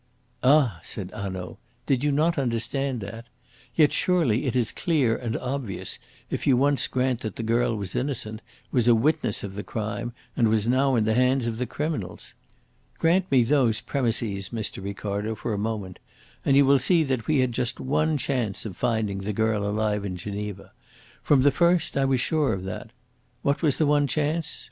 "Ah!" said Hanaud. "Did not you understand that? Yet it is surely clear and obvious, if you once grant that the girl was innocent, was a witness of the crime, and was now in the hands of the criminals. Grant me those premisses, M. Ricardo, for a moment, and you will see that we had just one chance of finding the girl alive in Geneva. From the first I was sure of that. What was the one chance?